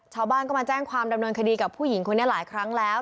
ชาวบ้านก็มาแจ้งความดำเนินคดีกับผู้หญิงคนนี้หลายครั้งแล้ว